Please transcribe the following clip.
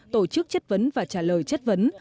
tổ chức chất vấn và trả lời chất vấn